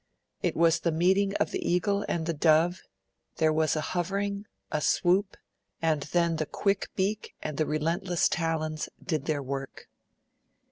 It was the meeting of the eagle and the dove; there was a hovering, a swoop, and then the quick beak and the relentless talons did their work.